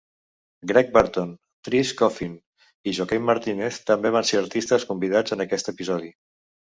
Gregg Barton, Tris Coffin i Joaquin Martinez també van ser artistes convidats en aquest episodi.